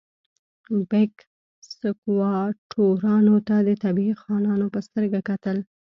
بیګ سکواټورانو ته د طبیعي خانانو په سترګه کتل.